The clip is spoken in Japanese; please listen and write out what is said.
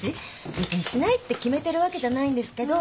別にしないって決めてるわけじゃないんですけど。